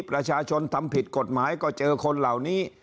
ประชาชนทำผิดกฎหมายก็เจอคนเหล่านี้